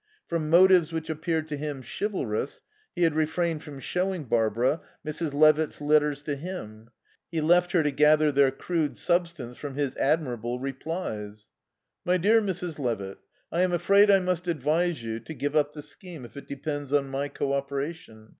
From motives which appeared to him chivalrous he had refrained from showing Barbara Mrs. Levitt's letters to him. He left her to gather their crude substance from his admirable replies. "'MY DEAR MRS. LEVITT: "'I am afraid I must advise you to give up the scheme if it depends on my co operation.